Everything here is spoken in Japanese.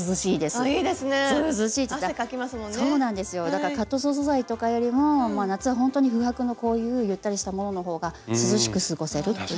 だからカットソー素材とかよりも夏はほんとに布帛のこういうゆったりしたものの方が涼しく過ごせるっていう。